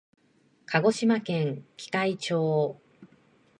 鹿児島県喜界町